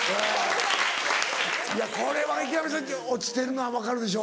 これは池上さん落ちてるのは分かるでしょ？